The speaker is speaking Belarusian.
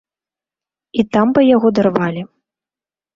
І там бы яго дарвалі.